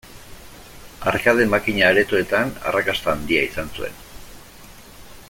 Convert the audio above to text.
Arkade makina aretoetan arrakasta handia izan zuen.